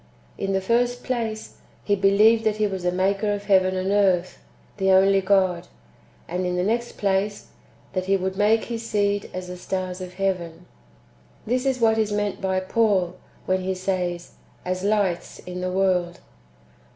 ^ In the first place, [he believed] that He was the maker of heaven and earth, the only God ; and in the next place, that He would make his seed as the stars of heaven. This is what is meant by Paul, [when he says,] " as lights in the world."